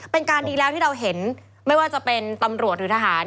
เป็นการดีแล้วที่เราเห็นไม่ว่าจะเป็นตำรวจหรือทหาร